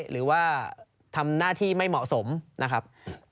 หรือว่าทำหน้าที่ไม่เหมาะสมนะครับ